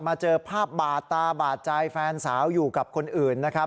เจอภาพบาดตาบาดใจแฟนสาวอยู่กับคนอื่นนะครับ